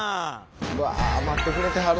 うわ待ってくれてはる。